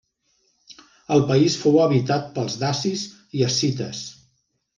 El país fou habitat pels dacis i escites.